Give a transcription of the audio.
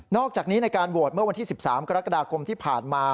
อกจากนี้ในการโหวตเมื่อวันที่๑๓กรกฎาคมที่ผ่านมา